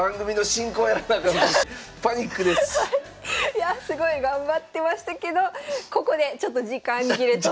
いやすごい頑張ってましたけどここでちょっと時間切れと。